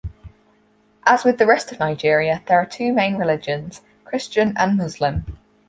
As with the rest of Nigeria, there are two main religions, Christian and Muslim.